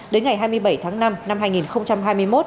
đến ngày hai mươi bảy tháng năm năm hai nghìn hai mươi một